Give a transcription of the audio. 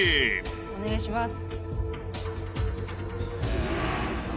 お願いします。